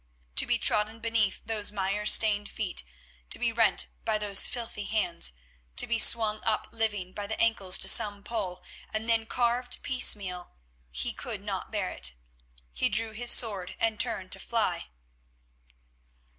To be trodden beneath those mire stained feet, to be rent by those filthy hands, to be swung up living by the ankles to some pole and then carved piecemeal—he could not bear it. He drew his sword and turned to fly.